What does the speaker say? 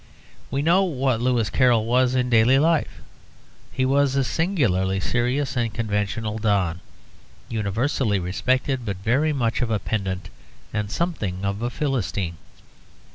We know what Lewis Carroll was in daily life: he was a singularly serious and conventional don, universally respected, but very much of a pedant and something of a Philistine.